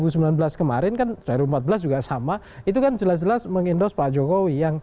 bumega kan dua ribu sembilan belas kemarin kan tahun dua ribu empat belas juga sama itu kan jelas jelas mengindos pak jokowi